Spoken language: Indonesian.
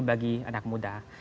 bagi anak muda